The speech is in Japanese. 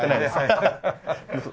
アハハハ。